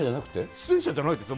出演者じゃないですよ。